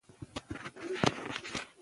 باسواده ښځې د سافټویر جوړولو شرکتونه لري.